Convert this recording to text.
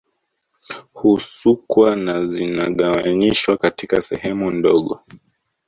Husukwa na zinagawanyishwa katika sehemu ndogo